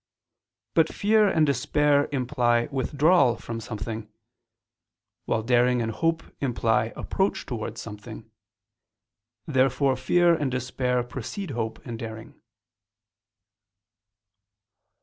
But fear and despair imply withdrawal from something; while daring and hope imply approach towards something. Therefore fear and despair precede hope and daring.